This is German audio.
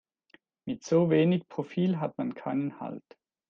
Mit so wenig Profil hat man keinen Halt.